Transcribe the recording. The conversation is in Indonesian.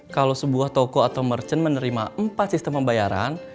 kalau sebuah toko atau merchant menerima empat sistem pembayaran